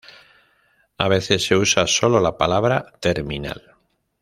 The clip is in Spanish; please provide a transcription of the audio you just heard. A veces, se usa sólo la palabra "terminal".